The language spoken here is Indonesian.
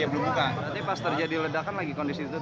berarti pas terjadi ledakan lagi kondisi tutup ya